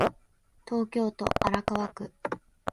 東京都荒川区